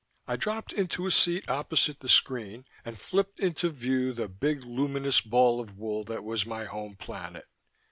I dropped into a seat opposite the screen and flipped into view the big luminous ball of wool that was my home planet.